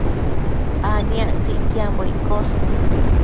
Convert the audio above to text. aniactsëc ictiambo iccosh